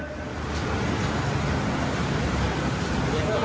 ไปไม่มีใครทำอะไรอีกหนึ่ง